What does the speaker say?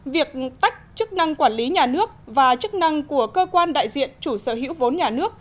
việc tách chức năng quản lý nhà nước và chức năng của cơ quan đại diện chủ sở hữu vốn nhà nước